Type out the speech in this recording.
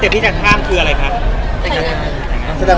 สเต็ปที่จะข้ามคืออะไรคะ